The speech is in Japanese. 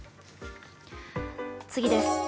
次です。